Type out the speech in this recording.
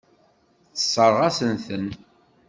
Tessṛeɣ-asent-ten.